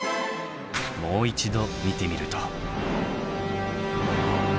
もう一度見てみると。